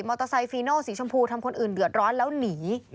เตอร์ไซคีโนสีชมพูทำคนอื่นเดือดร้อนแล้วหนี